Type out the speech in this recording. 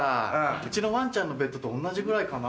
うちのワンちゃんのベッドと同じぐらいかな。